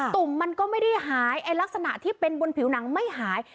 ตุ่มมันก็ไม่ได้หายลักษณะที่เป็นบนผิวหนังไม่หาย